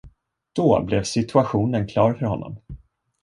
Då blev situationen klar för honom.